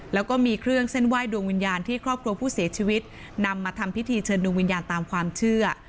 แล้วก็มีเครื่องเส้นไหว้ดวงวิญญาณที่ครอบครัวผู้เสียชีวิตนำมาทำพิธีเชิญดวงวิญญาณตามความเชื่อ